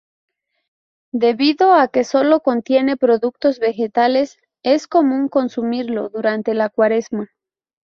Debido a que sólo contiene productos vegetales es común consumirlo durante la cuaresma.